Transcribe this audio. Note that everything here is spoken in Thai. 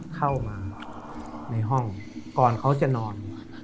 เข้ามาในห้องก่อนเขาจะนอน